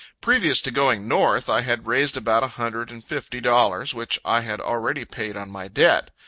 Previous to going north, I had raised about a hundred and fifty dollars, which I had already paid on my debt.